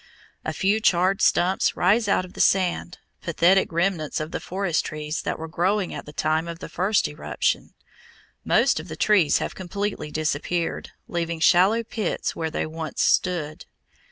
A few charred stumps rise out of the sand, pathetic remnants of the forest trees that were growing at the time of the first eruption. Most of the trees have completely disappeared, leaving shallow pits where they once stood.